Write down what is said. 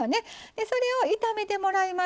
でそれを炒めてもらいます。